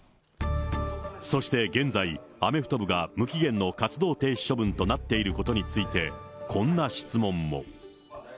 そして現在、アメフト部が無期限の活動停止処分となっていることについて、こんな質問も。